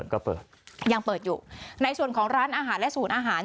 ก็เปิดยังเปิดอยู่ในส่วนของร้านอาหารและศูนย์อาหาร